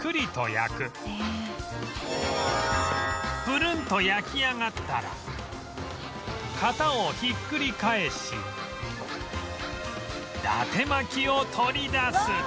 ぷるんと焼き上がったら型をひっくり返し伊達巻を取り出す！